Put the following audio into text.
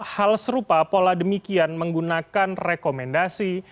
hal serupa pola demikian menggunakan rekomendasi